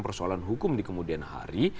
persoalan hukum di kemudian hari